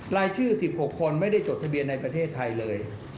รายชื่อ๑๖คนไม่ได้จดทะเบียนในประเทศไทยเลย